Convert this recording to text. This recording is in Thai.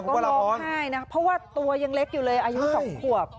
ก็ร้องไห้นะเพราะว่าตัวยังเล็กอยู่เลยอายุ๒ขวบ